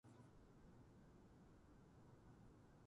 天皇の地位と主権在民